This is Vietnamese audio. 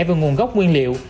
về nguồn gốc nguyên liệu